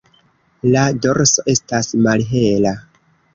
La dorso estas malhela.